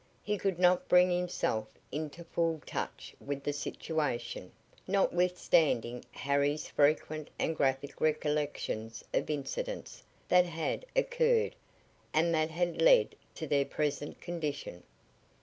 He could not bring himself into full touch with the situation, notwithstanding Harry's frequent and graphic recollections of incidents that had occurred and that had led to their present condition.